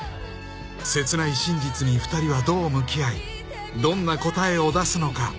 ［切ない真実に２人はどう向き合いどんな答えを出すのか］